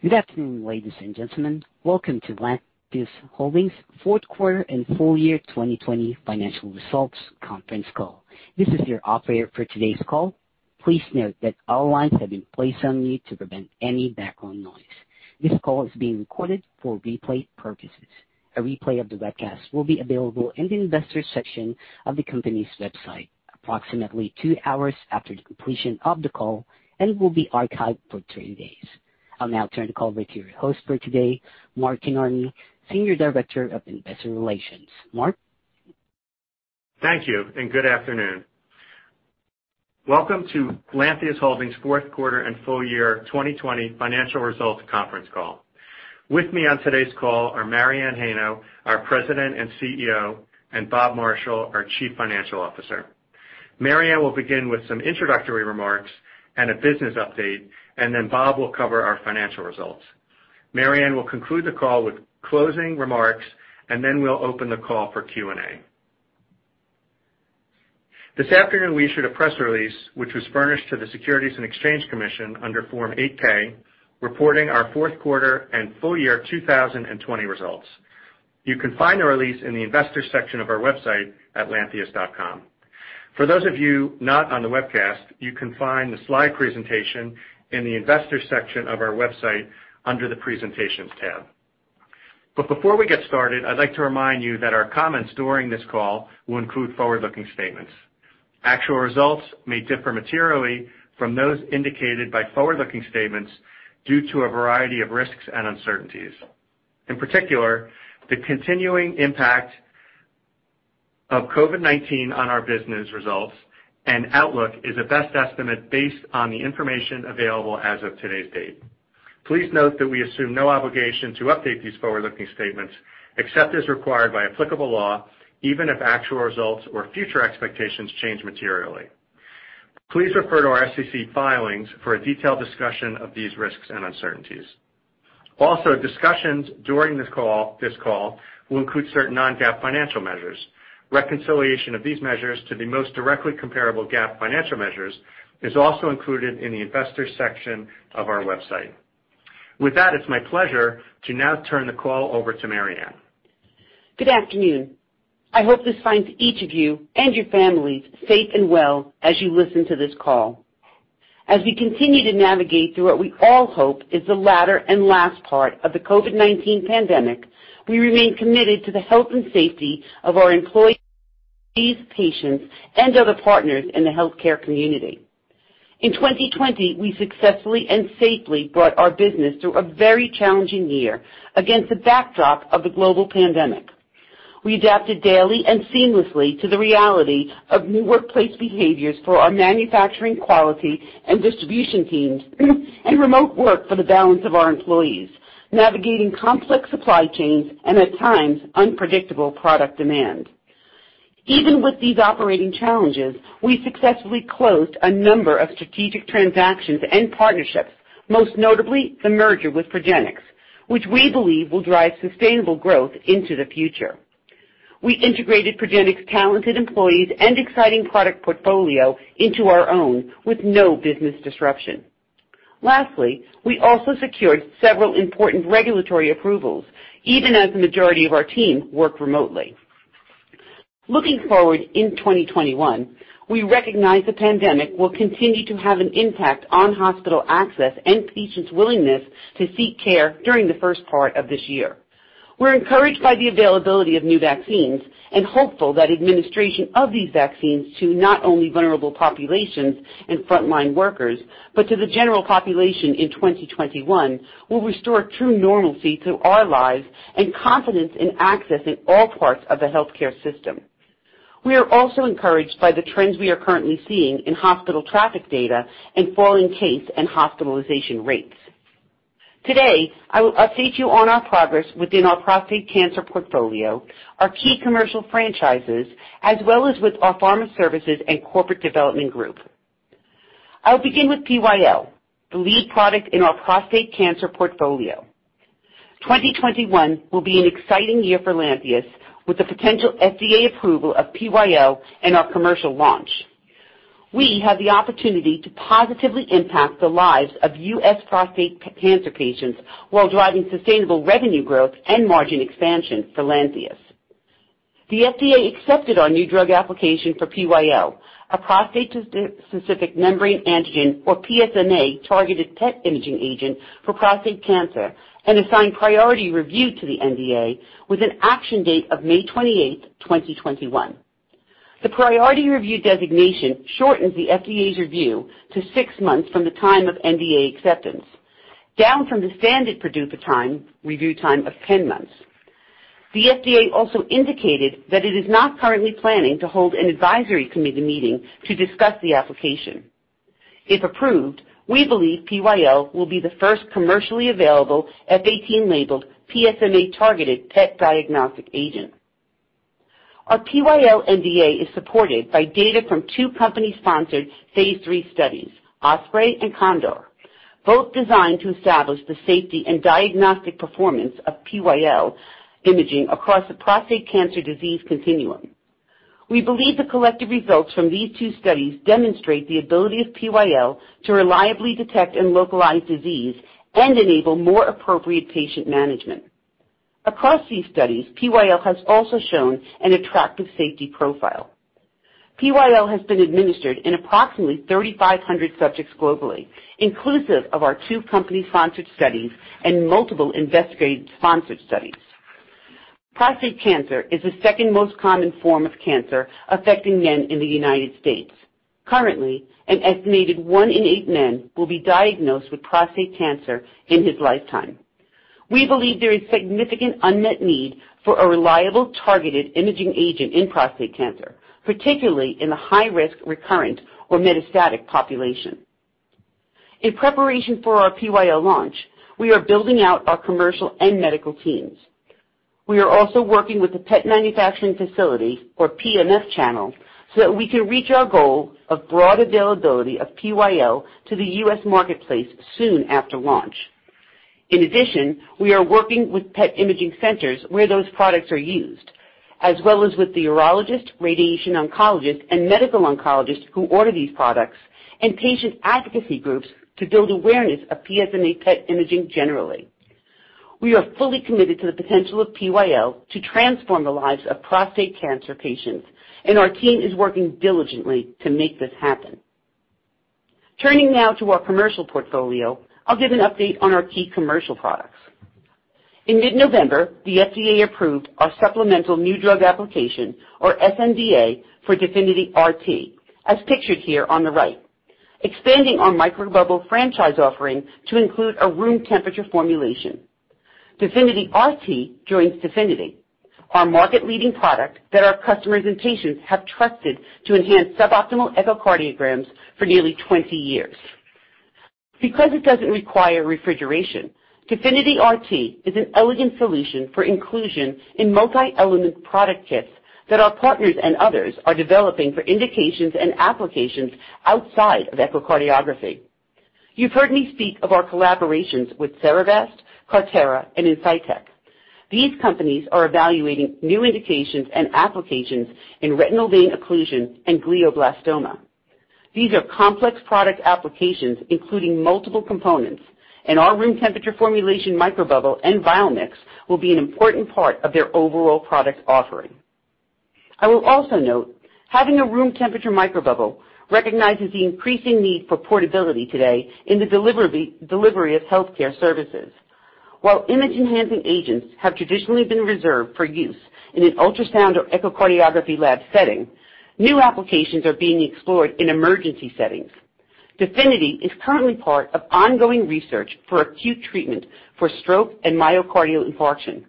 Good afternoon, ladies and gentlemen. Welcome to Lantheus Holdings' fourth quarter and full-year 2020 financial results conference call. This is your operator for today's call. Please note that all lines have been placed on mute to prevent any background noise. This call is being recorded for replay purposes. A replay of the webcast will be available in the Investors section of the company's website approximately two hours after the completion of the call and will be archived for 30 days. I'll now turn the call over to your host for today, Mark Kinarney, Senior Director of Investor Relations. Mark? Thank you. Good afternoon. Welcome to Lantheus Holdings' fourth quarter and full-year 2020 financial results conference call. With me on today's call are Mary Anne Heino, our President and Chief Executive Officer, and Robert J. Marshall Jr., our Chief Financial Officer. Mary Anne will begin with some introductory remarks and a business update. Robert J. Marshall Jr. will cover our financial results. Mary Anne will conclude the call with closing remarks. We'll open the call for Q&A. This afternoon, we issued a press release, which was furnished to the Securities and Exchange Commission under Form 8-K, reporting our fourth quarter and full-year 2020 results. You can find our release in the Investors section of our website at lantheus.com. For those of you not on the webcast, you can find the slide presentation in the Investors section of our website under the Presentations tab. Before we get started, I'd like to remind you that our comments during this call will include forward-looking statements. Actual results may differ materially from those indicated by forward-looking statements due to a variety of risks and uncertainties. In particular, the continuing impact of COVID-19 on our business results and outlook is a best estimate based on the information available as of today's date. Please note that we assume no obligation to update these forward-looking statements, except as required by applicable law, even if actual results or future expectations change materially. Please refer to our SEC filings for a detailed discussion of these risks and uncertainties. Discussions during this call will include certain non-GAAP financial measures. Reconciliation of these measures to the most directly comparable GAAP financial measures is also included in the Investors section of our website. With that, it's my pleasure to now turn the call over to Mary Anne. Good afternoon. I hope this finds each of you and your families safe and well as you listen to this call. As we continue to navigate through what we all hope is the latter and last part of the COVID-19 pandemic, we remain committed to the health and safety of our employees, patients, and other partners in the healthcare community. In 2020, we successfully and safely brought our business through a very challenging year against the backdrop of the global pandemic. We adapted daily and seamlessly to the reality of new workplace behaviors for our manufacturing quality and distribution teams and remote work for the balance of our employees, navigating complex supply chains and at times, unpredictable product demand. Even with these operating challenges, we successfully closed a number of strategic transactions and partnerships, most notably the merger with Progenics, which we believe will drive sustainable growth into the future. We integrated Progenics' talented employees and exciting product portfolio into our own with no business disruption. Lastly, we also secured several important regulatory approvals, even as the majority of our team worked remotely. Looking forward in 2021, we recognize the pandemic will continue to have an impact on hospital access and patients' willingness to seek care during the first part of this year. We're encouraged by the availability of new vaccines and hopeful that administration of these vaccines to not only vulnerable populations and frontline workers, but to the general population in 2021 will restore true normalcy to our lives and confidence in accessing all parts of the healthcare system. We are also encouraged by the trends we are currently seeing in hospital traffic data and falling case and hospitalization rates. Today, I will update you on our progress within our prostate cancer portfolio, our key commercial franchises, as well as with our pharma services and corporate development group. I'll begin with PyL, the lead product in our prostate cancer portfolio. 2021 will be an exciting year for Lantheus with the potential FDA approval of PyL and our commercial launch. We have the opportunity to positively impact the lives of U.S. prostate cancer patients while driving sustainable revenue growth and margin expansion for Lantheus. The FDA accepted our new drug application for PyL, a prostate-specific membrane antigen, or PSMA, targeted PET imaging agent for prostate cancer, and assigned priority review to the NDA with an action date of May 28th, 2021. The priority review designation shortens the FDA's review to six months from the time of NDA acceptance, down from the standard PDUFA time, review time of 10 months. The FDA also indicated that it is not currently planning to hold an advisory committee meeting to discuss the application. If approved, we believe PyL will be the first commercially available F 18-labeled PSMA-targeted PET diagnostic agent. Our PyL NDA is supported by data from two company-sponsored phase III studies, OSPREY and CONDOR, both designed to establish the safety and diagnostic performance of PyL imaging across the prostate cancer disease continuum. We believe the collective results from these two studies demonstrate the ability of PyL to reliably detect and localize disease and enable more appropriate patient management. Across these studies, PyL has also shown an attractive safety profile. PyL has been administered in approximately 3,500 subjects globally, inclusive of our two company-sponsored studies and multiple investigator-sponsored studies. Prostate cancer is the second most common form of cancer affecting men in the U.S. Currently, an estimated one in eight men will be diagnosed with prostate cancer in his lifetime. We believe there is significant unmet need for a reliable, targeted imaging agent in prostate cancer, particularly in the high-risk, recurrent, or metastatic population. In preparation for our PyL launch, we are building out our commercial and medical teams. We are also working with the PET manufacturing facility, or PMF channel, so that we can reach our goal of broad availability of PyL to the U.S. marketplace soon after launch. In addition, we are working with PET imaging centers where those products are used, as well as with the urologist, radiation oncologist, and medical oncologist who order these products, and patient advocacy groups to build awareness of PSMA PET imaging generally. We are fully committed to the potential of PyL to transform the lives of prostate cancer patients, our team is working diligently to make this happen. Turning now to our commercial portfolio, I'll give an update on our key commercial products. In mid-November, the FDA approved our supplemental new drug application, or sNDA, for DEFINITY RT, as pictured here on the right, expanding our microbubble franchise offering to include a room temperature formulation. DEFINITY RT joins DEFINITY, our market leading product that our customers and patients have trusted to enhance suboptimal echocardiograms for nearly 20 years. Because it doesn't require refrigeration, DEFINITY RT is an elegant solution for inclusion in multi-element product kits that our partners and others are developing for indications and applications outside of echocardiography. You've heard me speak of our collaborations with Cerevast, Carthera, and Insightec. These companies are evaluating new indications and applications in retinal vein occlusion and glioblastoma. These are complex product applications, including multiple components, our room temperature formulation, microbubble, and VIALMIX will be an important part of their overall product offering. I will also note, having a room temperature microbubble recognizes the increasing need for portability today in the delivery of healthcare services. While image-enhancing agents have traditionally been reserved for use in an ultrasound or echocardiography lab setting, new applications are being explored in emergency settings. DEFINITY is currently part of ongoing research for acute treatment for stroke and myocardial infarction,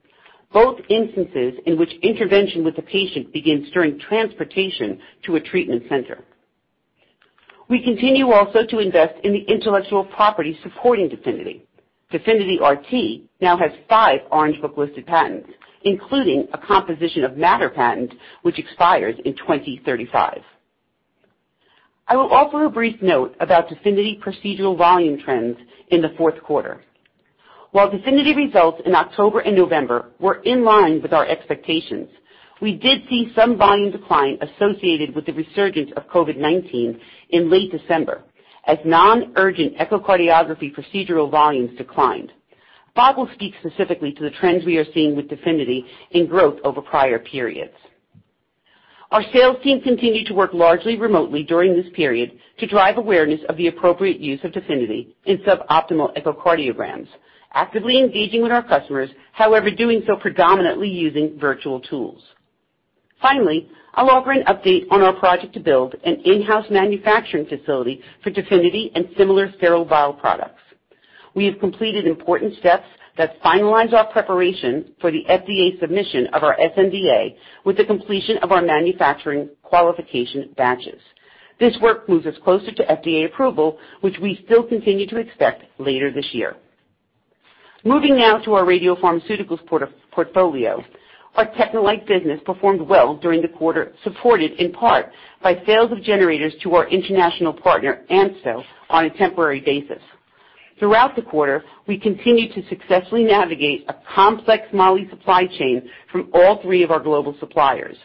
both instances in which intervention with the patient begins during transportation to a treatment center. We continue also to invest in the intellectual property supporting DEFINITY. DEFINITY RT now has five Orange Book-listed patents, including a composition of matter patent, which expires in 2035. I will offer a brief note about DEFINITY procedural volume trends in the fourth quarter. While DEFINITY results in October and November were in line with our expectations, we did see some volume decline associated with the resurgence of COVID-19 in late December, as non-urgent echocardiography procedural volumes declined. Bob will speak specifically to the trends we are seeing with DEFINITY in growth over prior periods. Our sales team continued to work largely remotely during this period to drive awareness of the appropriate use of DEFINITY in suboptimal echocardiograms, actively engaging with our customers, however, doing so predominantly using virtual tools. Finally, I'll offer an update on our project to build an in-house manufacturing facility for DEFINITY and similar sterile vial products. We have completed important steps that finalize our preparation for the FDA submission of our sNDA with the completion of our manufacturing qualification batches. This work moves us closer to FDA approval, which we still continue to expect later this year. Moving now to our radiopharmaceuticals portfolio. Our TechneLite business performed well during the quarter, supported in part by sales of generators to our international partner, ANSTO, on a temporary basis. Throughout the quarter, we continued to successfully navigate a complex moly supply chain from all three of our global suppliers.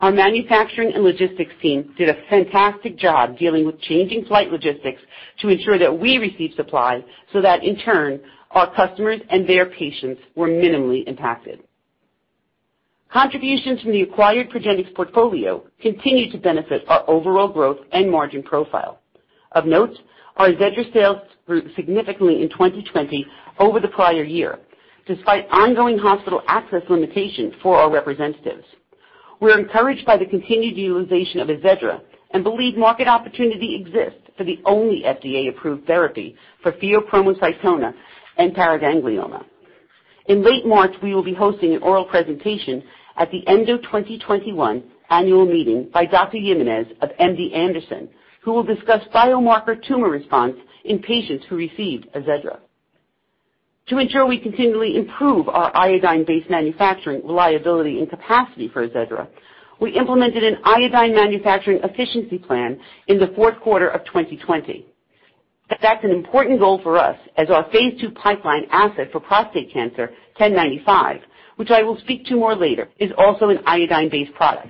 Our manufacturing and logistics teams did a fantastic job dealing with changing flight logistics to ensure that we received supplies, so that in turn, our customers and their patients were minimally impacted. Contributions from the acquired Progenics portfolio continued to benefit our overall growth and margin profile. Of note, our AZEDRA sales grew significantly in 2020 over the prior year, despite ongoing hospital access limitations for our representatives. We're encouraged by the continued utilization of AZEDRA and believe market opportunity exists for the only FDA-approved therapy for pheochromocytoma and paraganglioma. In late March, we will be hosting an oral presentation at the ENDO 2021 annual meeting by Dr. Jimenez of MD Anderson, who will discuss biomarker tumor response in patients who received AZEDRA. To ensure we continually improve our iodine-based manufacturing reliability and capacity for AZEDRA, we implemented an iodine manufacturing efficiency plan in the fourth quarter of 2020. That's an important goal for us as our phase II pipeline asset for prostate cancer, 1095, which I will speak to more later, is also an iodine-based product.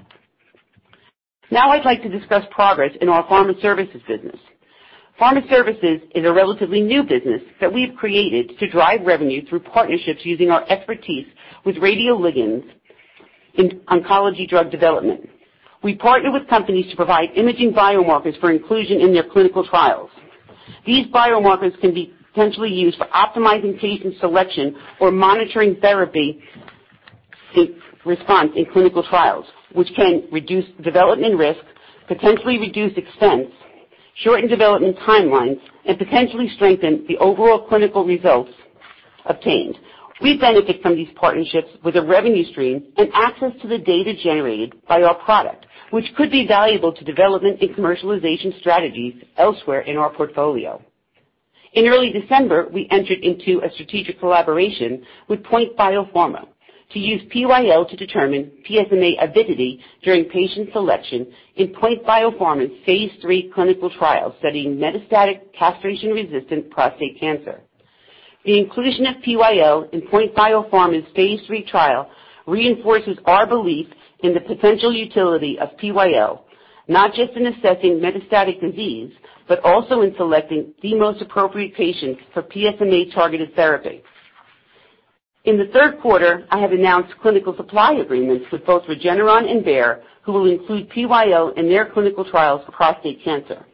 I'd like to discuss progress in our pharma services business. Pharma services is a relatively new business that we've created to drive revenue through partnerships using our expertise with radioligands in oncology drug development. We partner with companies to provide imaging biomarkers for inclusion in their clinical trials. These biomarkers can be potentially used for optimizing patient selection or monitoring therapy response in clinical trials, which can reduce development risk, potentially reduce expense, shorten development timelines, and potentially strengthen the overall clinical results obtained. We benefit from these partnerships with a revenue stream and access to the data generated by our product, which could be valuable to development and commercialization strategies elsewhere in our portfolio. In early December, we entered into a strategic collaboration with POINT Biopharma to use PyL to determine PSMA avidity during patient selection in POINT Biopharma's phase III clinical trial studying metastatic castration-resistant prostate cancer. The inclusion of PyL in POINT Biopharma's phase III trial reinforces our belief in the potential utility of PyL, not just in assessing metastatic disease, but also in selecting the most appropriate patients for PSMA-targeted therapy. In the third quarter, I have announced clinical supply agreements with both Regeneron and Bayer, who will include PyL in their clinical trials for prostate cancer.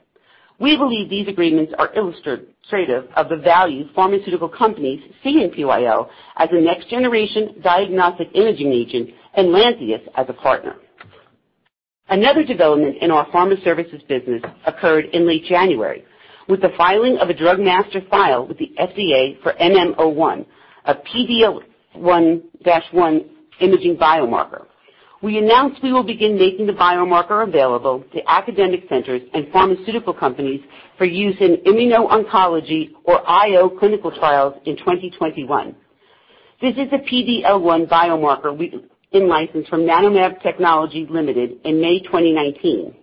We believe these agreements are illustrative of the value pharmaceutical companies see in PyL as a next generation diagnostic imaging agent and Lantheus as a partner. Another development in our pharma services business occurred in late January with the filing of a drug master file with the FDA for NM-01, a PD-L1 imaging biomarker. We announced we will begin making the biomarker available to academic centers and pharmaceutical companies for use in immuno-oncology or IO clinical trials in 2021. This is a PD-L1 biomarker we in-licensed from NanoMab Technology Limited in May 2019.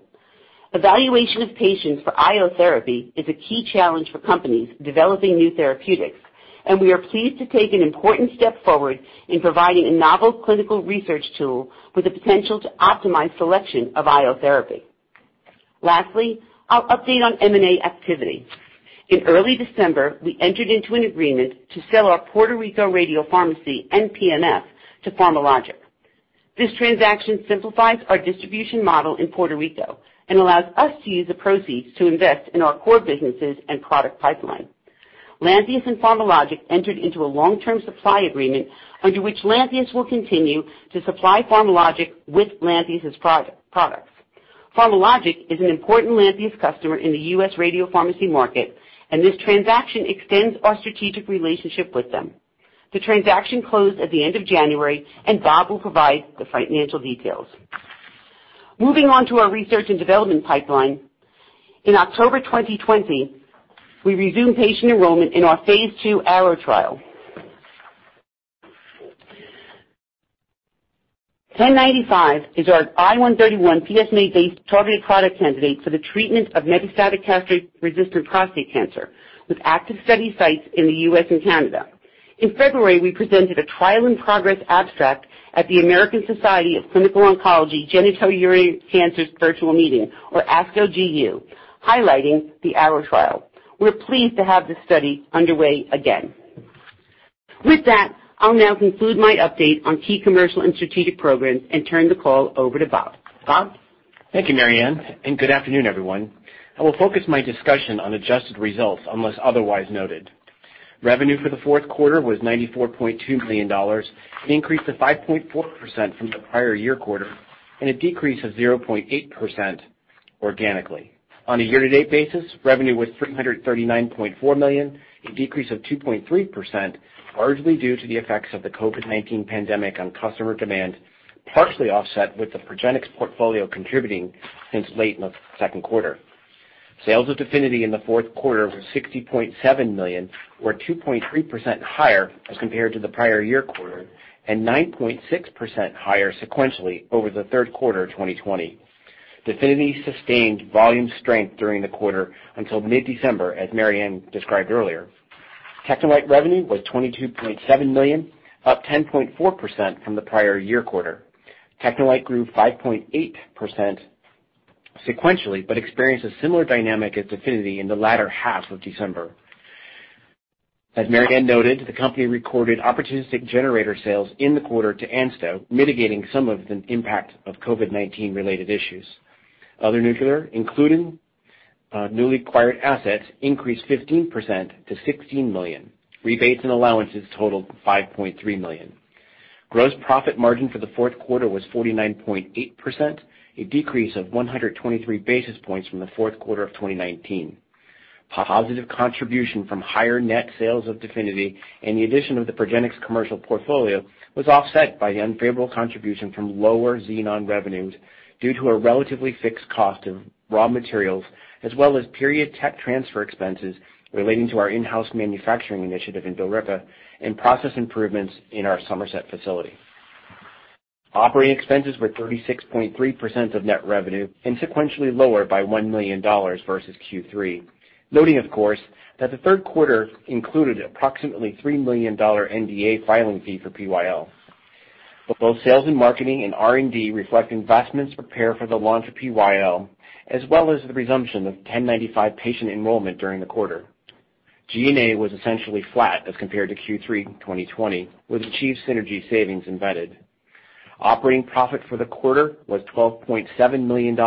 Evaluation of patients for IO therapy is a key challenge for companies developing new therapeutics, and we are pleased to take an important step forward in providing a novel clinical research tool with the potential to optimize selection of IO therapy. Lastly, I'll update on M&A activity. In early December, we entered into an agreement to sell our Puerto Rico radiopharmacy, NPR, to PharmaLogic. This transaction simplifies our distribution model in Puerto Rico and allows us to use the proceeds to invest in our core businesses and product pipeline. Lantheus and PharmaLogic entered into a long-term supply agreement under which Lantheus will continue to supply PharmaLogic with Lantheus' products. PharmaLogic is an important Lantheus customer in the U.S. radiopharmacy market, and this transaction extends our strategic relationship with them. The transaction closed at the end of January, and Bob will provide the financial details. Moving on to our research and development pipeline. In October 2020, we resumed patient enrollment in our phase II ARROW trial. 1095 is our I-131 PSMA-based targeted product candidate for the treatment of metastatic castrate-resistant prostate cancer, with active study sites in the U.S. and Canada. In February, we presented a trial and progress abstract at the American Society of Clinical Oncology Genitourinary Cancers virtual meeting, or ASCO GU, highlighting the ARROW trial. We're pleased to have this study underway again. With that, I'll now conclude my update on key commercial and strategic programs and turn the call over to Bob. Bob? Thank you, Mary Anne, good afternoon, everyone. I will focus my discussion on adjusted results unless otherwise noted. Revenue for the fourth quarter was $94.2 million, an increase of 5.4% from the prior year quarter, and a decrease of 0.8% organically. On a year-to-date basis, revenue was $339.4 million, a decrease of 2.3%, largely due to the effects of the COVID-19 pandemic on customer demand, partially offset with the Progenics portfolio contributing since late in the second quarter. Sales of DEFINITY in the fourth quarter were $60.7 million or 2.3% higher as compared to the prior year quarter and 9.6% higher sequentially over the third quarter 2020. DEFINITY sustained volume strength during the quarter until mid-December, as Mary Anne described earlier. TechneLite revenue was $22.7 million, up 10.4% from the prior year quarter. TechneLite grew 5.8% sequentially, but experienced a similar dynamic as DEFINITY in the latter half of December. As Mary Anne noted, the company recorded opportunistic generator sales in the quarter to ANSTO, mitigating some of the impact of COVID-19 related issues. Other nuclear, including newly acquired assets, increased 15% to $16 million. Rebates and allowances totaled $5.3 million. Gross profit margin for the fourth quarter was 49.8%, a decrease of 123 basis points from the fourth quarter of 2019. Positive contribution from higher net sales of DEFINITY and the addition of the Progenics commercial portfolio was offset by the unfavorable contribution from lower Xenon revenues due to a relatively fixed cost of raw materials, as well as period tech transfer expenses relating to our in-house manufacturing initiative in Billerica and process improvements in our Somerset facility. Operating expenses were 36.3% of net revenue and sequentially lower by $1 million versus Q3, noting, of course, that the third quarter included approximately $3 million NDA filing fee for PyL. Both sales and marketing and R&D reflect investments to prepare for the launch of PyL, as well as the resumption of 1095 patient enrollment during the quarter. G&A was essentially flat as compared to Q3 2020, with achieved synergy savings embedded. Operating profit for the quarter was $12.7 million,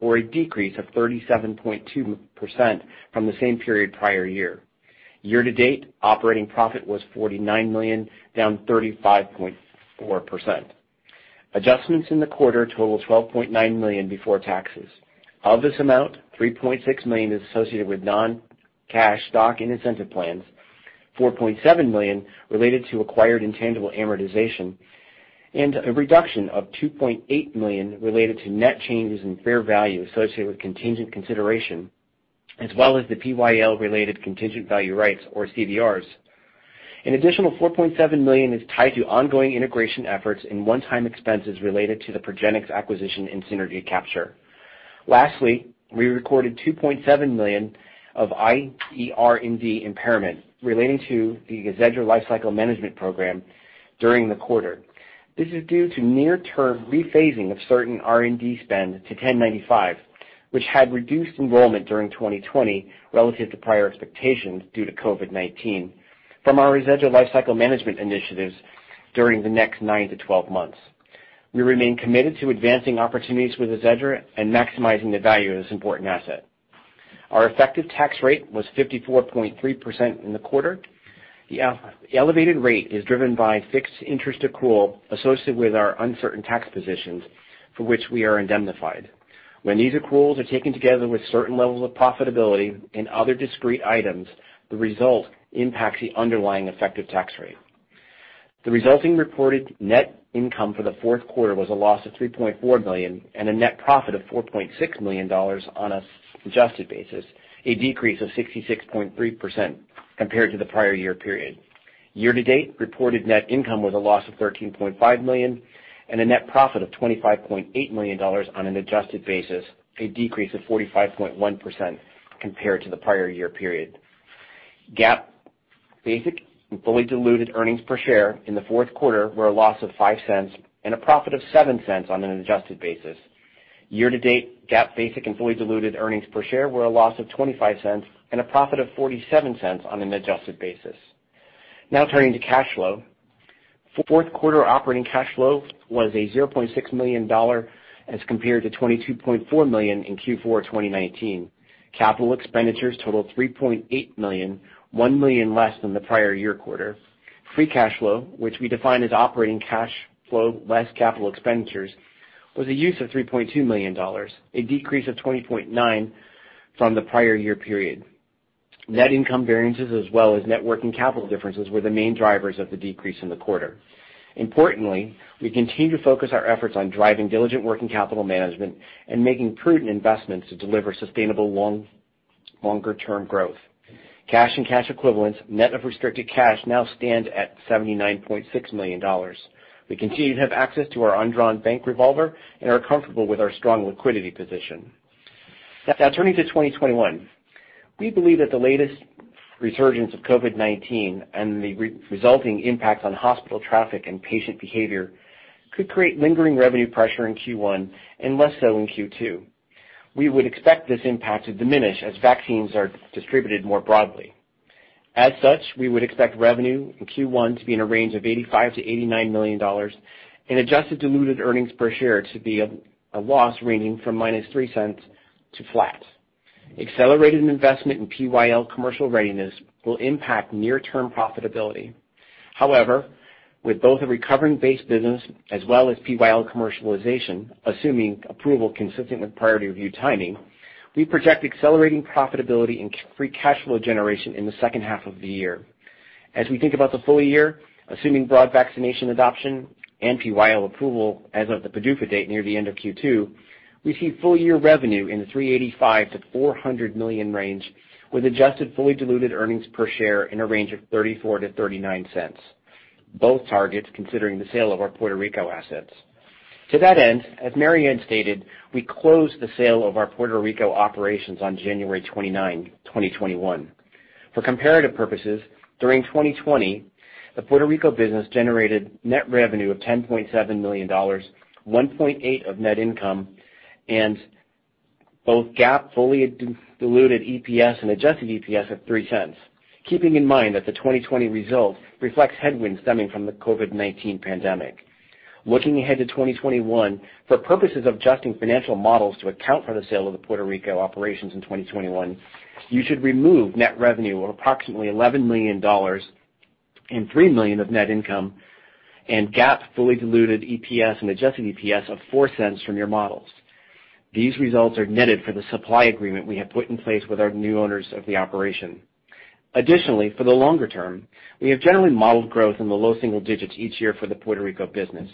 or a decrease of 37.2% from the same period prior year. Year to-date, operating profit was $49 million, down 35.4%. Adjustments in the quarter total $12.9 million before taxes. Of this amount, $3.6 million is associated with non-cash stock and incentive plans, $4.7 million related to acquired intangible amortization, and a reduction of $2.8 million related to net changes in fair value associated with contingent consideration, as well as the PyL-related contingent value rights, or CVRs. An additional $4.7 million is tied to ongoing integration efforts and one-time expenses related to the Progenics acquisition and synergy capture. Lastly, we recorded $2.7 million of IPR&D impairment relating to the AZEDRA lifecycle management program during the quarter. This is due to near-term rephasing of certain R&D spend to 1095, which had reduced enrollment during 2020 relative to prior expectations due to COVID-19 from our AZEDRA lifecycle management initiatives during the next nine to 12 months. We remain committed to advancing opportunities with AZEDRA and maximizing the value of this important asset. Our effective tax rate was 54.3% in the quarter. The elevated rate is driven by fixed interest accrual associated with our uncertain tax positions, for which we are indemnified. When these accruals are taken together with certain levels of profitability and other discrete items, the result impacts the underlying effective tax rate. The resulting reported net income for the fourth quarter was a loss of $3.4 million and a net profit of $4.6 million on an adjusted basis, a decrease of 66.3% compared to the prior year period. Year-to-date, reported net income was a loss of $13.5 million and a net profit of $25.8 million on an adjusted basis, a decrease of 45.1% compared to the prior year period. GAAP basic and fully diluted earnings per share in the fourth quarter were a loss of $0.05 and a profit of $0.07 on an adjusted basis. Year-to-date, GAAP basic and fully diluted earnings per share were a loss of $0.25 and a profit of $0.47 on an adjusted basis. Now turning to cash flow. Fourth quarter operating cash flow was $0.6 million as compared to $22.4 million in Q4 2019. Capital expenditures totaled $3.8 million, $1 million less than the prior year quarter. Free cash flow, which we define as operating cash flow less capital expenditures, was a use of $3.2 million, a decrease of 20.9% from the prior year period. Net income variances as well as net working capital differences were the main drivers of the decrease in the quarter. Importantly, we continue to focus our efforts on driving diligent working capital management and making prudent investments to deliver sustainable longer-term growth. Cash and cash equivalents, net of restricted cash, now stand at $79.6 million. We continue to have access to our undrawn bank revolver and are comfortable with our strong liquidity position. Now turning to 2021. We believe that the latest resurgence of COVID-19 and the resulting impact on hospital traffic and patient behavior could create lingering revenue pressure in Q1 and less so in Q2. We would expect this impact to diminish as vaccines are distributed more broadly. As such, we would expect revenue in Q1 to be in a range of $85-89 million, and adjusted diluted earnings per share to be a loss ranging from minus $0.03 to flat. Accelerated investment in PyL commercial readiness will impact near-term profitability. With both a recovering base business as well as PyL commercialization, assuming approval consistent with priority review timing, we project accelerating profitability and free cash flow generation in the second half of the year. As we think about the full-year, assuming broad vaccination adoption and PyL approval as of the PDUFA date near the end of Q2, we see full-year revenue in the $385-400 million range, with adjusted fully diluted earnings per share in a range of $0.34-0.39, both targets considering the sale of our Puerto Rico assets. To that end, as Mary Anne stated, we closed the sale of our Puerto Rico operations on January 29, 2021. For comparative purposes, during 2020, the Puerto Rico business generated net revenue of $10.7 million, $1.8 million of net income, and both GAAP fully diluted EPS and adjusted EPS of $0.03, keeping in mind that the 2020 results reflect headwinds stemming from the COVID-19 pandemic. Looking ahead to 2021, for purposes of adjusting financial models to account for the sale of the Puerto Rico operations in 2021, you should remove net revenue of approximately $11 million and $3 million of net income and GAAP fully diluted EPS and adjusted EPS of $0.04 from your models. These results are netted for the supply agreement we have put in place with our new owners of the operation. For the longer term, we have generally modeled growth in the low single digits each year for the Puerto Rico business.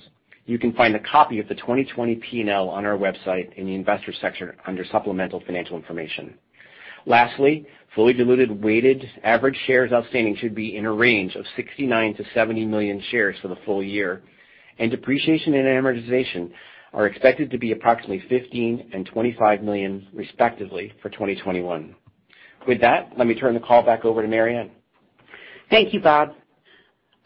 You can find a copy of the 2020 P&L on our website in the Investors section under supplemental financial information. Fully diluted weighted average shares outstanding should be in a range of 69-70 million shares for the full-year, and depreciation and amortization are expected to be approximately $15 million and $25 million, respectively, for 2021. With that, let me turn the call back over to Mary Anne. Thank you, Bob.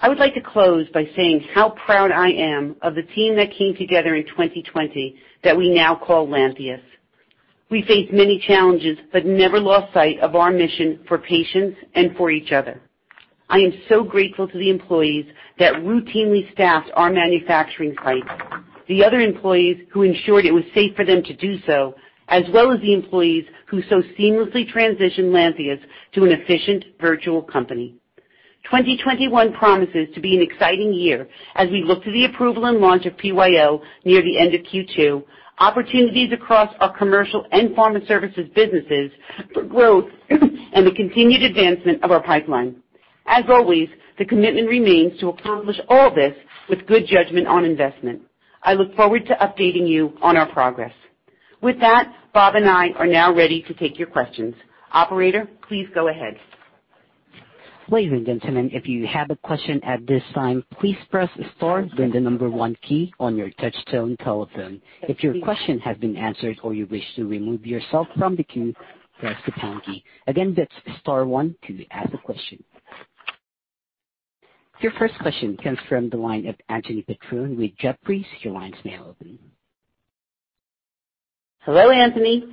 I would like to close by saying how proud I am of the team that came together in 2020 that we now call Lantheus. We faced many challenges but never lost sight of our mission for patients and for each other. I am so grateful to the employees that routinely staffed our manufacturing site, the other employees who ensured it was safe for them to do so, as well as the employees who so seamlessly transitioned Lantheus to an efficient virtual company. 2021 promises to be an exciting year as we look to the approval and launch of PYLARIFY near the end of Q2, opportunities across our commercial and pharma services businesses for growth, and the continued advancement of our pipeline. As always, the commitment remains to accomplish all this with good judgment on investment. I look forward to updating you on our progress. With that, Bob and I are now ready to take your questions. Operator, please go ahead. Your first question comes from the line of Anthony Petrone with Jefferies. Your line's now open. Hello, Anthony.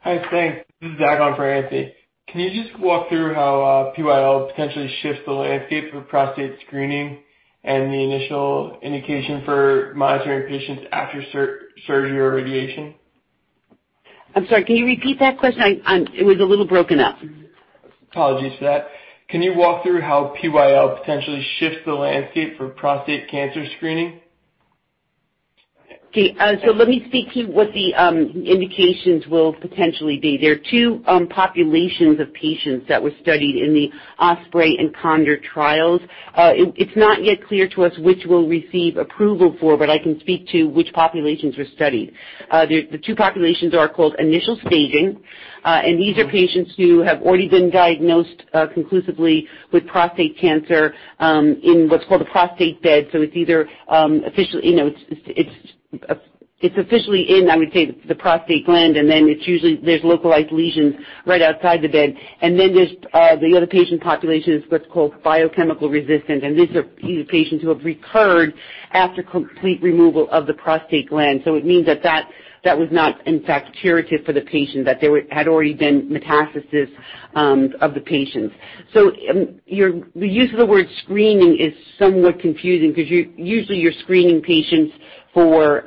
Hi. Thanks. This is Zack for Anthony. Can you just walk through how PYLARIFY potentially shifts the landscape for prostate screening and the initial indication for monitoring patients after surgery or radiation? I'm sorry, can you repeat that question? It was a little broken up. Apologies for that. Can you walk through how PYLARIFY potentially shifts the landscape for prostate cancer screening? Okay. Let me speak to what the indications will potentially be. There are two populations of patients that were studied in the OSPREY and CONDOR trials. It's not yet clear to us which we'll receive approval for. I can speak to which populations were studied. The two populations are called initial staging. These are patients who have already been diagnosed conclusively with prostate cancer in what's called a prostate bed. It's officially in, I would say, the prostate gland. There's usually localized lesions right outside the bed. The other patient population is what's called biochemical recurrence. These are patients who have recurred after complete removal of the prostate gland. It means that was not in fact curative for the patient, that there had already been metastasis of the patients. Your use of the word screening is somewhat confusing because usually you're screening patients for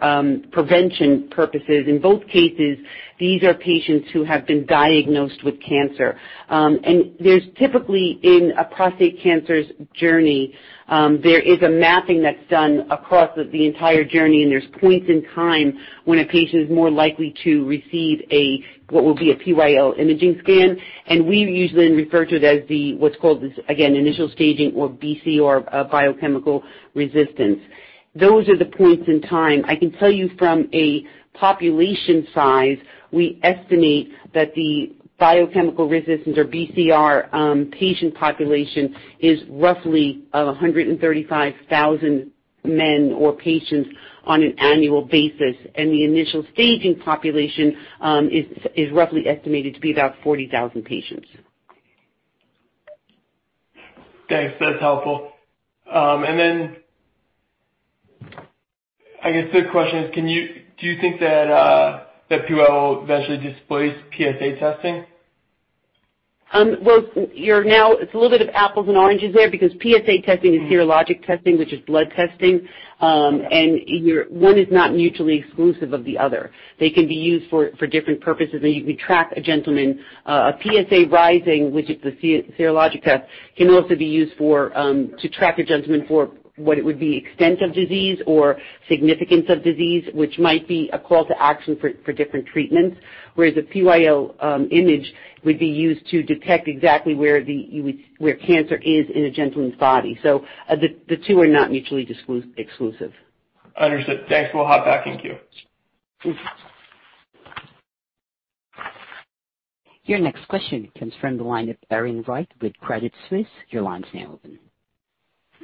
prevention purposes. In both cases, these are patients who have been diagnosed with cancer. There's typically in a prostate cancer's journey, there is a mapping that's done across the entire journey, and there's points in time when a patient is more likely to receive what will be a PyL imaging scan. We usually refer to it as initial staging or BCR or biochemical recurrence. Those are the points in time. I can tell you from a population size, we estimate that the biochemical recurrence or BCR patient population is roughly 135,000 men or patients on an annual basis, and the initial staging population is roughly estimated to be about 40,000 patients. Thanks. That's helpful. Then I guess third question is, do you think that PyL eventually displaces PSA testing? Well, it's a little bit of apples and oranges there because PSA testing is serologic testing, which is blood testing. One is not mutually exclusive of the other. They can be used for different purposes, and you can track a gentleman. A PSA rising, which is the serologic test, can also be used to track a gentleman for what it would be extent of disease or significance of disease, which might be a call to action for different treatments. Whereas a PYLARIFY image would be used to detect exactly where cancer is in a gentleman's body. The two are not mutually exclusive. Understood. Thanks. We'll hop back in queue. Your next question comes from the line of Erin Wright with Credit Suisse. Your line's now open.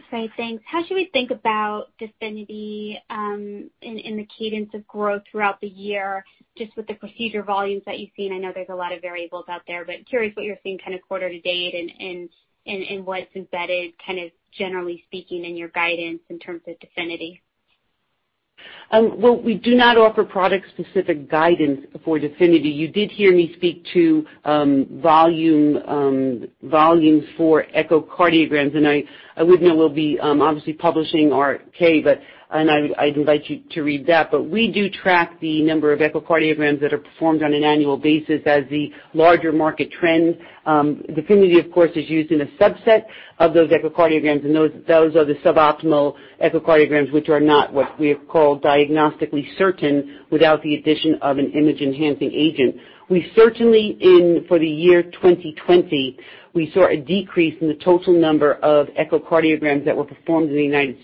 Great. Thanks. How should we think about DEFINITY in the cadence of growth throughout the year, just with the procedure volumes that you've seen? I know there's a lot of variables out there, but curious what you're seeing kind of quarter to date and what's embedded, kind of generally speaking in your guidance in terms of DEFINITY. Well, we do not offer product-specific guidance for DEFINITY. You did hear me speak to volumes for echocardiograms, and I would note we'll be obviously publishing our K, and I'd invite you to read that. We do track the number of echocardiograms that are performed on an annual basis as the larger market trend. DEFINITY, of course, is used in a subset of those echocardiograms, and those are the suboptimal echocardiograms which are not what we have called diagnostically certain without the addition of an image-enhancing agent. We certainly in for the year 2020, we saw a decrease in the total number of echocardiograms that were performed in the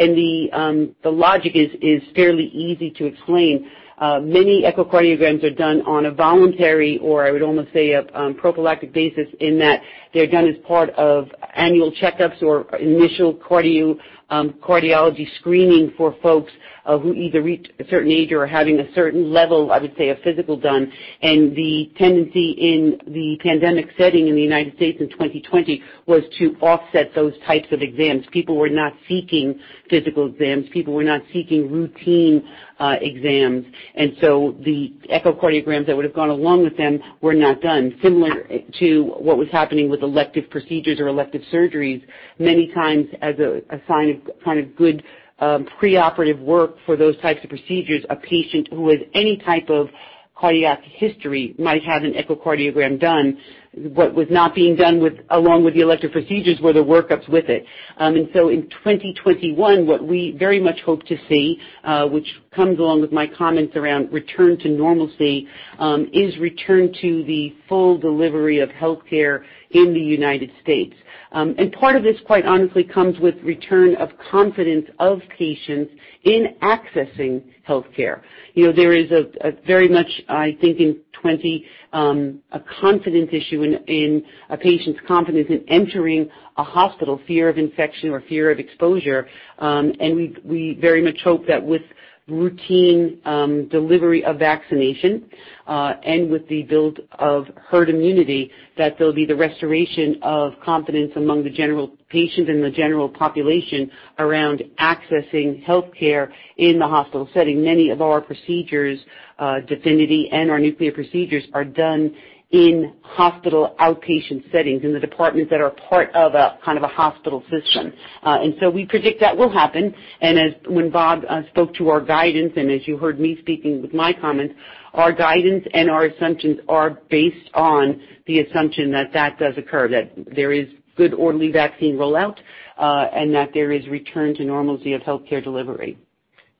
U.S. The logic is fairly easy to explain. Many echocardiograms are done on a voluntary, or I would almost say, a prophylactic basis in that they're done as part of annual checkups or initial cardiology screening for folks who either reach a certain age or are having a certain level, I would say, of physical done. The tendency in the pandemic setting in the U.S. in 2020 was to offset those types of exams. People were not seeking physical exams. People were not seeking routine exams. The echocardiograms that would've gone along with them were not done, similar to what was happening with elective procedures or elective surgeries. Many times as a sign of good preoperative work for those types of procedures, a patient who has any type of cardiac history might have an echocardiogram done. What was not being done along with the elective procedures were the workups with it. In 2021, what we very much hope to see, which comes along with my comments around return to normalcy, is return to the full delivery of healthcare in the United States. Part of this, quite honestly, comes with return of confidence of patients in accessing healthcare. There is a very much, I think in 2020, a confidence issue in a patient's confidence in entering a hospital, fear of infection or fear of exposure. We very much hope that with routine delivery of vaccination, and with the build of herd immunity, that there'll be the restoration of confidence among the general patient and the general population around accessing healthcare in the hospital setting. Many of our procedures, DEFINITY and our nuclear procedures, are done in hospital outpatient settings, in the departments that are part of a hospital system. We predict that will happen. As when Bob spoke to our guidance, and as you heard me speaking with my comments, our guidance and our assumptions are based on the assumption that that does occur, that there is good orderly vaccine rollout, and that there is return to normalcy of healthcare delivery.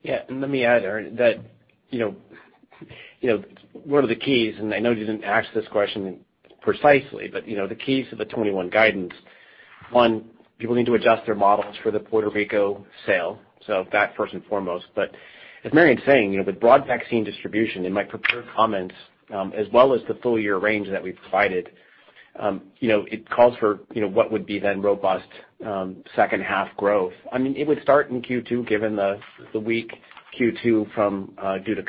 Yeah. Let me add, Erin, that one of the keys, and I know you didn't ask this question precisely, but the keys to the 2021 guidance, one, people need to adjust their models for the Puerto Rico sale. That first and foremost. As Mary Anne's saying, with broad vaccine distribution, in my prepared comments, as well as the full-year range that we've provided, it calls for what would be then robust second half growth. It would start in Q2 given the weak Q2 due to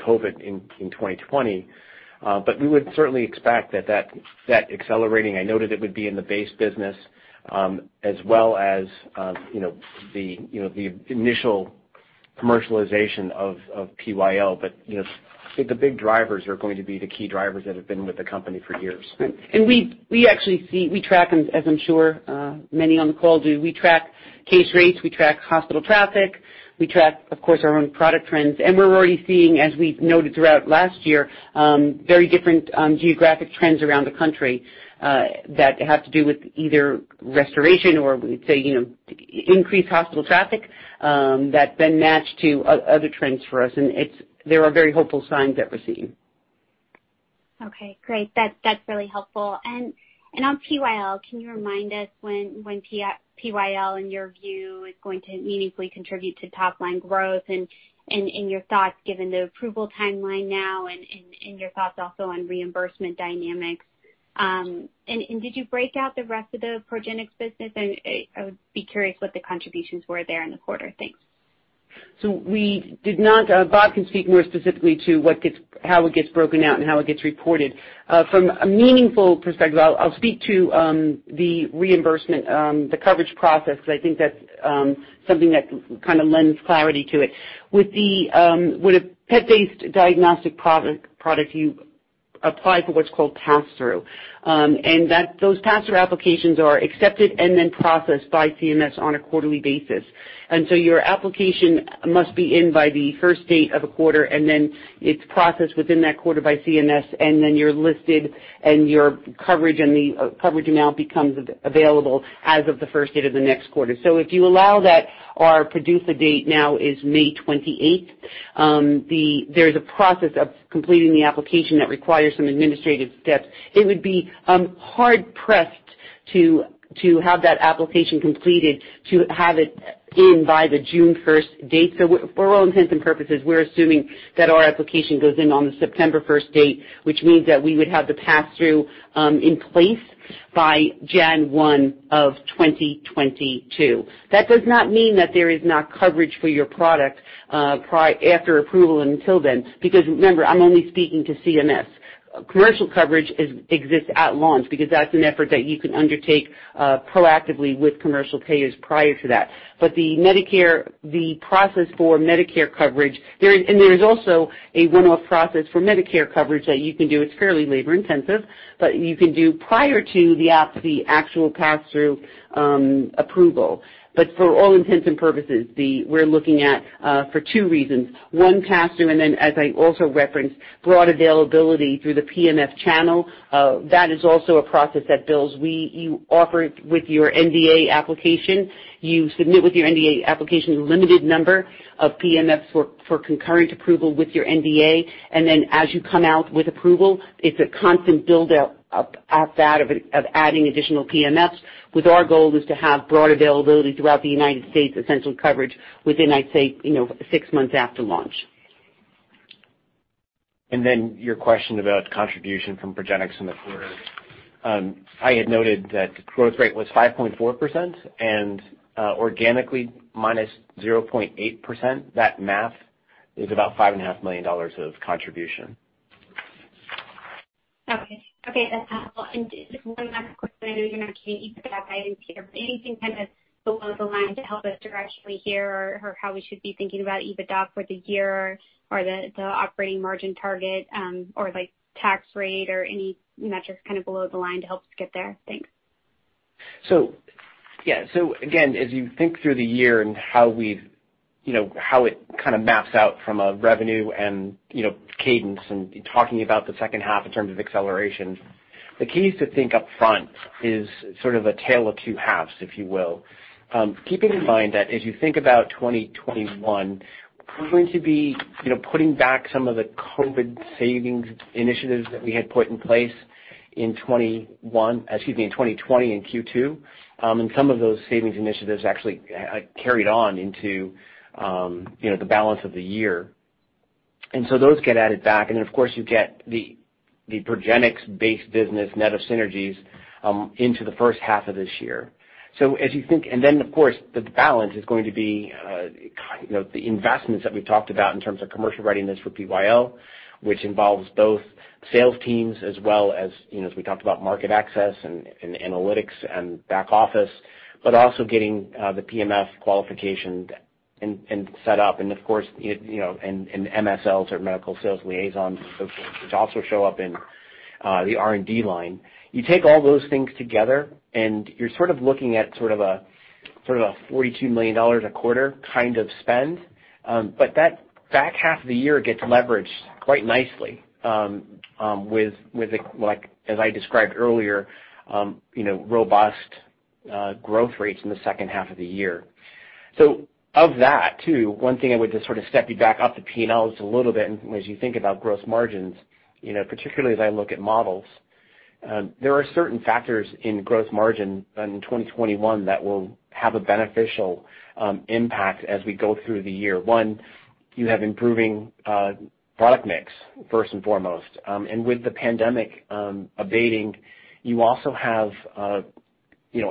COVID in 2020. We would certainly expect that accelerating. I noted it would be in the base business, as well as the initial commercialization of PYLARIFY. The big drivers are going to be the key drivers that have been with the company for years. We track, as I'm sure many on the call do. We track case rates, we track hospital traffic. We track, of course, our own product trends. We're already seeing, as we've noted throughout last year, very different geographic trends around the country that have to do with either restoration or we'd say increased hospital traffic that then match to other trends for us. There are very hopeful signs that we're seeing. Okay, great. That's really helpful. On PyL, can you remind us when PyL, in your view, is going to meaningfully contribute to top-line growth, and your thoughts given the approval timeline now, and your thoughts also on reimbursement dynamics? Did you break out the rest of the Progenics business? I would be curious what the contributions were there in the quarter. Thanks. We did not. Bob can speak more specifically to how it gets broken out and how it gets reported. From a meaningful perspective, I'll speak to the reimbursement, the coverage process, because I think that's something that lends clarity to it. With a PET-based diagnostic product, you apply for what's called pass-through. Those pass-through applications are accepted and then processed by CMS on a quarterly basis. Your application must be in by the first date of a quarter, then it's processed within that quarter by CMS, and then you're listed and the coverage amount becomes available as of the first date of the next quarter. If you allow that, our PDUFA date now is May 28th. There's a process of completing the application that requires some administrative steps. It would be hard-pressed to have that application completed to have it in by the June 1st date. For all intents and purposes, we're assuming that our application goes in on the September 1st date, which means that we would have the pass-through in place by January 1, 2022. That does not mean that there is not coverage for your product after approval until then. Remember, I'm only speaking to CMS. Commercial coverage exists at launch because that's an effort that you can undertake proactively with commercial payers prior to that. The process for Medicare coverage. There is also a one-off process for Medicare coverage that you can do. It's fairly labor-intensive. You can do prior to the actual pass-through approval. For all intents and purposes, we're looking at for two reasons. One pass-through, and then as I also referenced, broad availability through the PMF channel. That is also a process that builds. You offer it with your NDA application. You submit with your NDA application a limited number of PMFs for concurrent approval with your NDA. Then as you come out with approval, it's a constant build-out of that of adding additional PMFs with our goal is to have broad availability throughout the United States, essential coverage within, I'd say, six months after launch. Your question about contribution from Progenics in the quarter. I had noted that the growth rate was 5.4% and organically minus 0.8%. That math is about $5.5 million of contribution. Okay. That's helpful. Just one last question, I know you're not giving EBITDA guidance here, but anything kind of below the line to help us directionally here or how we should be thinking about EBITDA for the year or the operating margin target, or like tax rate or any metrics kind of below the line to help us get there? Thanks. Yeah. Again, as you think through the year and how it kind of maps out from a revenue and cadence and talking about the second half in terms of acceleration, the key is to think upfront is sort of a tale of two halves, if you will. Keeping in mind that as you think about 2021, we're going to be putting back some of the COVID savings initiatives that we had put in place in 2020 in Q2. Some of those savings initiatives actually carried on into the balance of the year. Those get added back. Of course, you get the Progenics-based business net of synergies into the first half of this year. Of course, the balance is going to be the investments that we've talked about in terms of commercial readiness for PyL, which involves both sales teams as well as we talked about market access and analytics and back office, but also getting the PMF qualification and set up and of course, and MSLs or medical science liaisons, which also show up in the R&D line. You take all those things together and you're sort of looking at sort of a $42 million a quarter kind of spend. That back half of the year gets leveraged quite nicely, as I described earlier, robust growth rates in the second half of the year. One thing I would just step you back up the P&L a little bit as you think about gross margins, particularly as I look at models, there are certain factors in gross margin in 2021 that will have a beneficial impact as we go through the year. One, you have improving product mix first and foremost. With the pandemic abating, you also have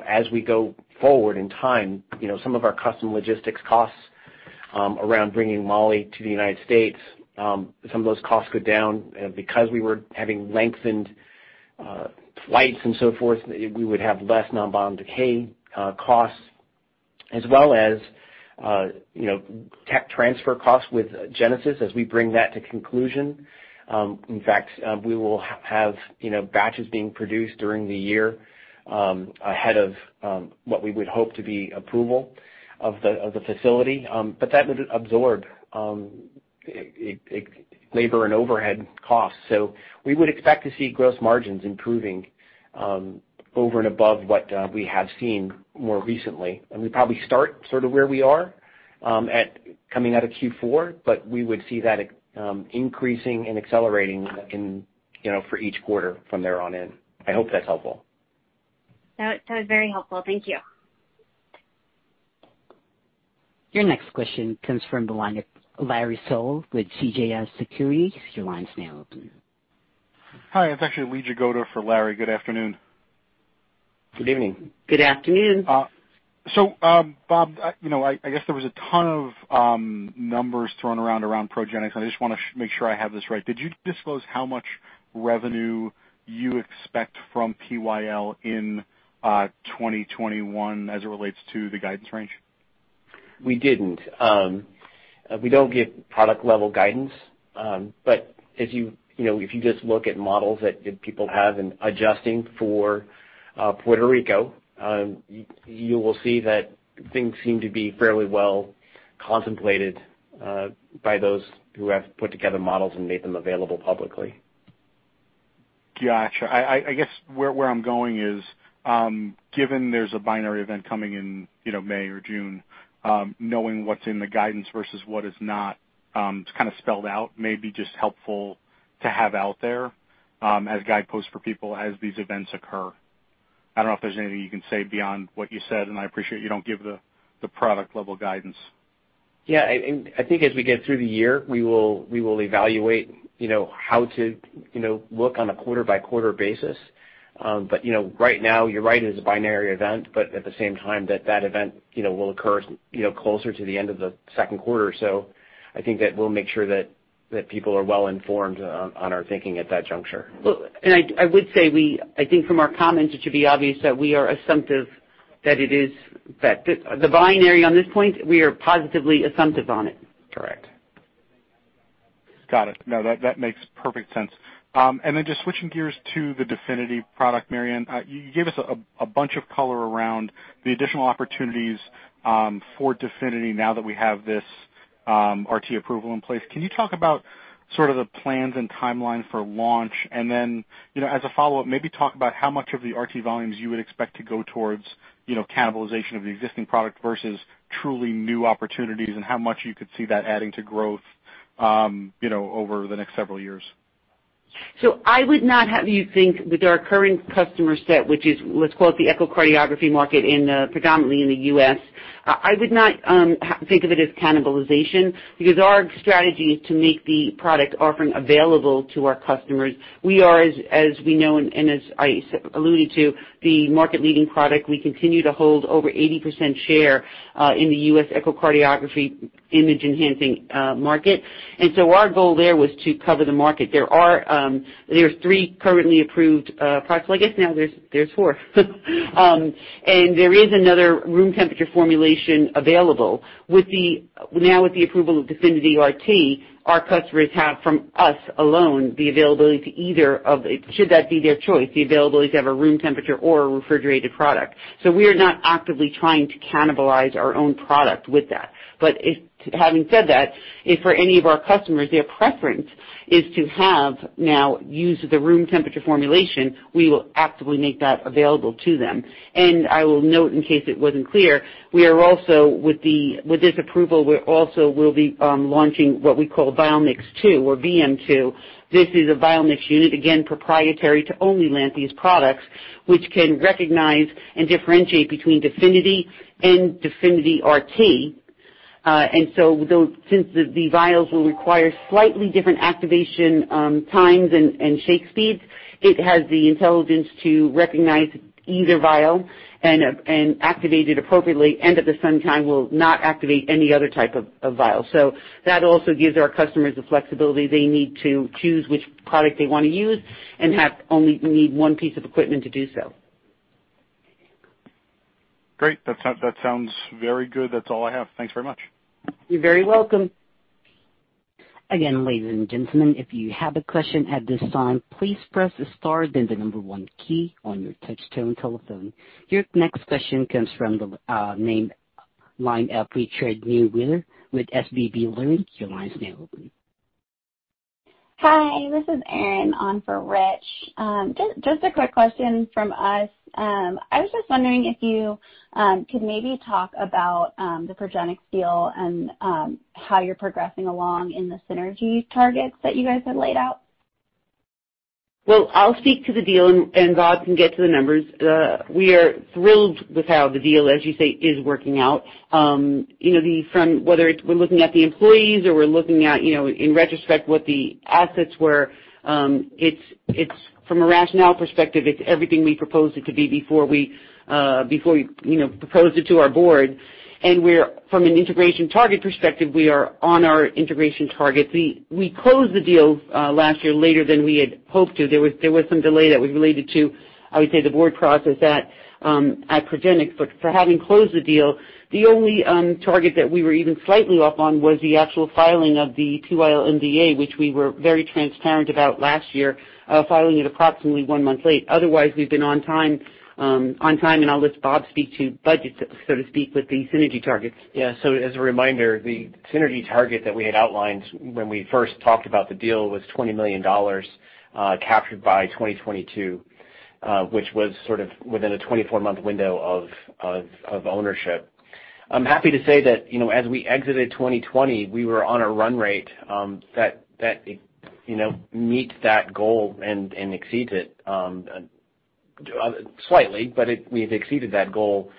as we go forward in time, some of our custom logistics costs around bringing moly to the United States, some of those costs go down because we were having lengthened flights and so forth, we would have less on-board decay costs as well as tech transfer costs with Genesis as we bring that to conclusion. In fact, we will have batches being produced during the year ahead of what we would hope to be approval of the facility. That would absorb labor and overhead costs. We would expect to see gross margins improving over and above what we have seen more recently. We probably start sort of where we are coming out of Q4, but we would see that increasing and accelerating for each quarter from there on in. I hope that's helpful. That was very helpful. Thank you. Your next question comes from the line of Larry Solow with CJS Securities. Your line's now open. Hi, it's actually Lee Jagoda for Larry. Good afternoon. Good evening. Good afternoon. Bob, I guess there was a ton of numbers thrown around Progenics. I just want to make sure I have this right. Did you disclose how much revenue you expect from PYLARIFY in 2021 as it relates to the guidance range? We didn't. We don't give product level guidance. If you just look at models that people have in adjusting for Puerto Rico, you will see that things seem to be fairly well contemplated by those who have put together models and made them available publicly. Got you. I guess where I'm going is, given there's a binary event coming in May or June, knowing what's in the guidance versus what is not, it's kind of spelled out may be just helpful to have out there as guideposts for people as these events occur. I don't know if there's anything you can say beyond what you said, I appreciate you don't give the product level guidance. Yeah, I think as we get through the year, we will evaluate how to look on a quarter-by-quarter basis. Right now, you're right, it is a binary event, but at the same time that event will occur closer to the end of the second quarter. I think that we'll make sure that people are well-informed on our thinking at that juncture. Look, I would say, I think from our comments, it should be obvious that we are assumptive that the binary on this point, we are positively assumptive on it. Correct. Got it. No, that makes perfect sense. Then just switching gears to the DEFINITY product, Mary Anne, you gave us a bunch of color around the additional opportunities for DEFINITY now that we have this RT approval in place. Can you talk about sort of the plans and timeline for launch? Then, as a follow-up, maybe talk about how much of the RT volumes you would expect to go towards cannibalization of the existing product versus truly new opportunities and how much you could see that adding to growth over the next several years. I would not have you think with our current customer set, which is, let's call it the echocardiography market predominantly in the U.S., I would not think of it as cannibalization because our strategy is to make the product offering available to our customers. We are, as we know and as I alluded to, the market-leading product. We continue to hold over 80% share in the U.S. echocardiography image-enhancing market. Our goal there was to cover the market. There are three currently approved products. Well, I guess now there's four. There is another room temperature formulation available. Now with the approval of DEFINITY RT, our customers have from us alone, the availability to either of, should that be their choice, the availability to have a room temperature or a refrigerated product. We are not actively trying to cannibalize our own product with that. Having said that, if for any of our customers, their preference is to have now use the room temperature formulation, we will actively make that available to them. I will note, in case it wasn't clear, with this approval we also will be launching what we call a VIALMIX 2 or VM2. This is a VIALMIX unit, again, proprietary to only Lantheus products, which can recognize and differentiate between DEFINITY and DEFINITY RT. Since the vials will require slightly different activation times and shake speeds, it has the intelligence to recognize either vial and activate it appropriately and at the same time will not activate any other type of vial. That also gives our customers the flexibility they need to choose which product they want to use and only need one piece of equipment to do so. Great. That sounds very good. That is all I have. Thanks very much. You're very welcome. Your next question comes from the line of Rick Wise with SVB Leerink. Your line's now open. Hi, this is Erin on for Rick. Just a quick question from us. I was just wondering if you could maybe talk about the Progenics deal and how you're progressing along in the synergy targets that you guys had laid out. Well, I'll speak to the deal, and Bob can get to the numbers. From whether we're looking at the employees or we're looking at, in retrospect, what the assets were, from a rationale perspective, it's everything we proposed it to be before we proposed it to our board. From an integration target perspective, we are on our integration target. We closed the deal last year later than we had hoped to. There was some delay that was related to, I would say, the board process at Progenics. For having closed the deal, the only target that we were even slightly off on was the actual filing of the PyL NDA, which we were very transparent about last year, filing it approximately one month late. Otherwise, we've been on time. I'll let Bob speak to budgets, so to speak, with the synergy targets. As a reminder, the synergy target that we had outlined when we first talked about the deal was $20 million captured by 2022, which was sort of within a 24-month window of ownership. I'm happy to say that as we exited 2020, we were on a run rate that meets that goal and exceeds it, slightly, but we've exceeded that goal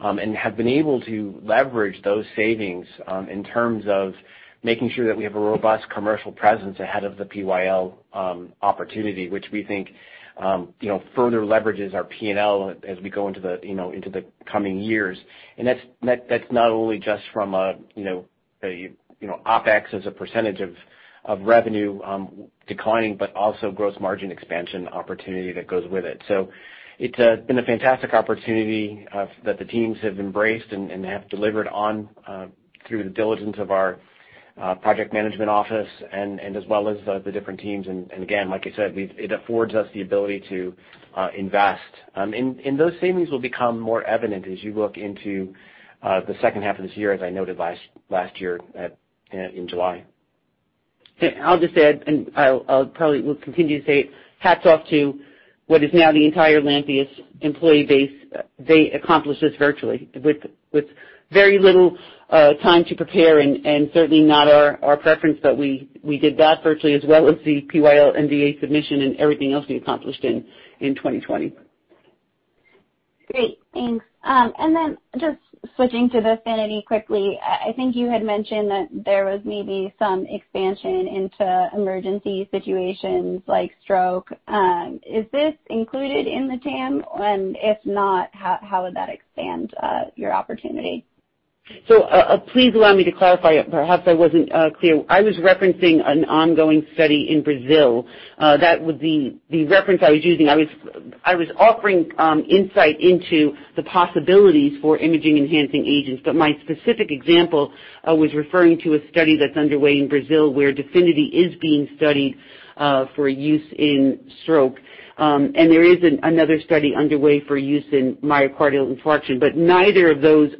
and have been able to leverage those savings in terms of making sure that we have a robust commercial presence ahead of the PyL opportunity, which we think further leverages our P&L as we go into the coming years. That's not only just from OpEx as a percentage of revenue declining, but also gross margin expansion opportunity that goes with it. It's been a fantastic opportunity that the teams have embraced and have delivered on through the diligence of our project management office and as well as the different teams. Again, like I said, it affords us the ability to invest. Those savings will become more evident as you look into the second half of this year, as I noted last year in July. I'll just add, and I probably will continue to say, hats off to what is now the entire Lantheus employee base. They accomplished this virtually with very little time to prepare, and certainly not our preference, but we did that virtually as well as the PyL NDA submission and everything else we accomplished in 2020. Great. Thanks. Just switching to DEFINITY quickly. I think you had mentioned that there was maybe some expansion into emergency situations like stroke. Is this included in the TAM? If not, how would that expand your opportunity? Please allow me to clarify. Perhaps I wasn't clear. I was referencing an ongoing study in Brazil. That was the reference I was using. I was offering insight into the possibilities for imaging-enhancing agents. My specific example was referring to a study that's underway in Brazil where DEFINITY is being studied for use in stroke. There is another study underway for use in myocardial infarction, but neither of those,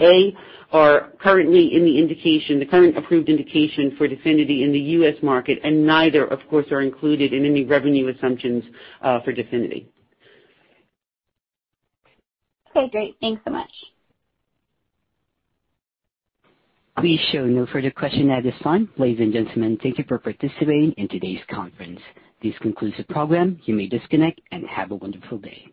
A, are currently in the indication, the current approved indication for DEFINITY in the U.S. market, and neither, of course, are included in any revenue assumptions for DEFINITY. Okay, great. Thanks so much. We show no further questions at this time. Ladies and gentlemen, thank you for participating in today's conference. This concludes the program. You may disconnect and have a wonderful day.